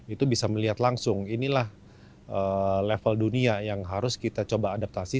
itu bisa melihat langsung inilah level dunia yang harus kita coba adaptasi